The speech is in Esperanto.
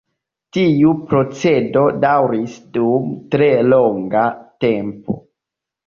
Tiu procedo daŭris dum tre longa tempo.